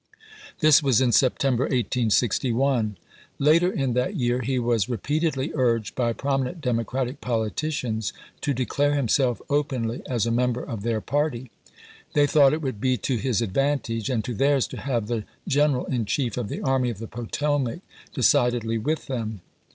This was in September, 1861. Later in that year he was repeatedly urged by prominent Democratic politicians to declare himself openly as a member of their party. They thought it would be to his advantage and to theirs to have the General in Chief of the Army of the Potomac decidedly with them.